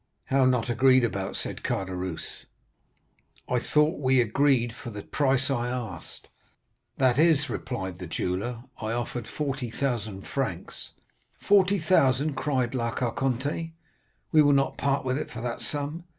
"'How not agreed about?' said Caderousse. 'I thought we agreed for the price I asked.' "'That is,' replied the jeweller, 'I offered 40,000 francs.' 'Forty thousand,' cried La Carconte; 'we will not part with it for that sum.